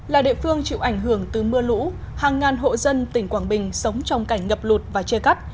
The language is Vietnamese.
là địa phương chịu ảnh hưởng từ mưa lũ hàng ngàn hộ dân tỉnh quảng bình sống trong cảnh ngập lụt và che cắt